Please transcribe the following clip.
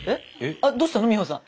あっどうしたの美穂さん。